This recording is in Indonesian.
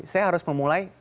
saya harus memulai